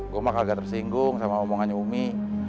gue mah kagak tersinggung sama omongannya umi